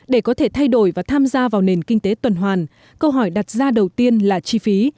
để có thể thay đổi và tham gia vào nền kinh tế tuần hoàn câu hỏi đặt ra đầu tiên là chi phí